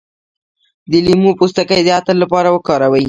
د لیمو پوستکی د عطر لپاره وکاروئ